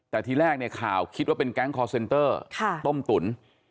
แต่ทีแรกเนี่ยข่าวคิดว่าเป็นแก๊งคอร์เซนเตอร์ต้มตุ๋น